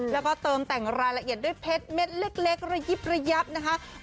แล้วก็เติมแต่งรายละเอียดด้วยเพชรเม็ดเล็กระยิบระยับนะคะ